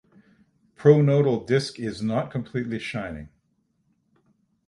Pronotal disc is not completely shining.